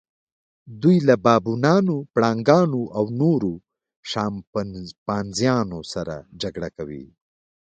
دوی له بابونانو، پړانګانو او نورو شامپانزیانو سره جګړه کوي.